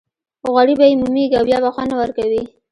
غوړي به یې مومېږي او بیا به خوند نه ورکوي.